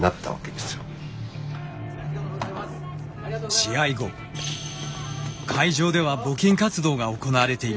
試合後会場では募金活動が行われていました。